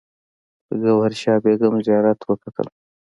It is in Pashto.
د ګوهر شاد بیګم زیارت وکتل.